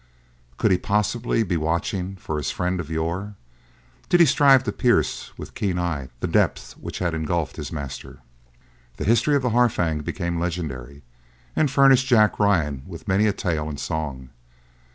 Could he possibly be watching for his friend of yore? Did he strive to pierce, with keen eye, the depths which had engulfed his master? The history of the Harfang became legendary, and furnished Jack Ryan with many a tale and song.